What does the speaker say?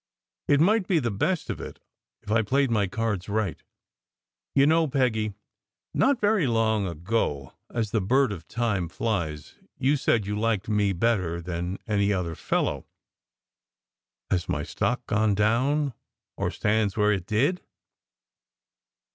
"It might be the best of it, if I played my cards right. You know, Peggy, not very long ago as the bird of time flies, you said you liked me better than any other fellow. Has my stock gone down, or stands it where it did?"